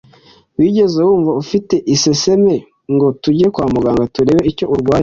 Wigeze wumva ufite isesemi ngo tujye kwa muganga turebe icyo urwaye